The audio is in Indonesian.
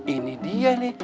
ini dia nih